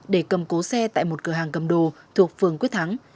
để cầm cố xe tại một cửa hàng cầm đồ thuộc phường quyết thắng